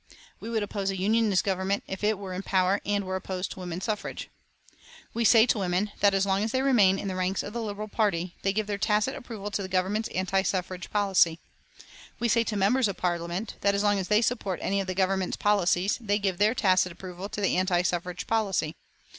We would oppose a Unionist government if it were in power and were opposed to woman suffrage. We say to women that as long as they remain in the ranks of the Liberal party they give their tacit approval to the Government's anti suffrage policy. We say to members of Parliament that as long as they support any of the Government's policies they give their tacit approval to the anti suffrage policy.